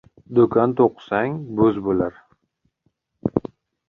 Do'kon to'qisang, bo'z bo'lar